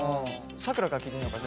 さくらから聞いてみようか。